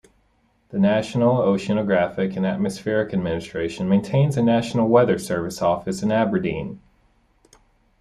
The National Oceanographic and Atmospheric Administration maintains a National Weather Service office in Aberdeen.